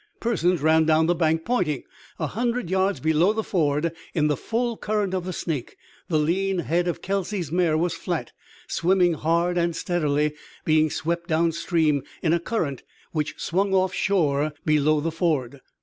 Persons ran down the bank, pointing. A hundred yards below the ford, in the full current of the Snake, the lean head of Kelsey's mare was flat, swimming hard and steadily, being swept downstream in a current which swung off shore below the ford.